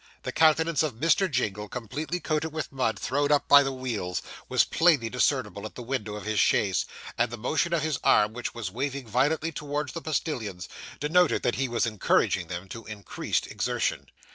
The countenance of Mr. Jingle, completely coated with mud thrown up by the wheels, was plainly discernible at the window of his chaise; and the motion of his arm, which was waving violently towards the postillions, denoted that he was encouraging them to increased exertion.